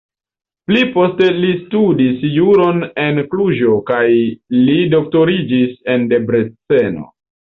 Pli poste li studis juron en Kluĵo kaj li doktoriĝis en Debreceno.